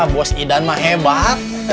bos idan mah hebat